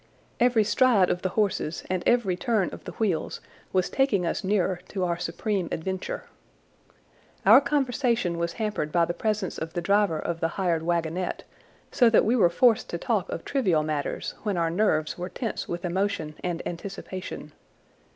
Every stride of the horses and every turn of the wheels was taking us nearer to our supreme adventure. Our conversation was hampered by the presence of the driver of the hired wagonette, so that we were forced to talk of trivial matters when our nerves were tense with emotion and anticipation.